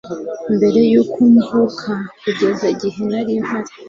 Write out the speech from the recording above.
mbere yuko mvuka kugeza igihe nari mpari